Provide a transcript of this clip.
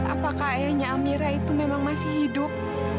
apakah ayahnya amira itu memang masih hidup